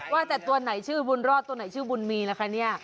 ว่าแต่ตัวไหนชื่อบุญรอดตัวไหนชื่อบุญมีล่ะคะเนี่ย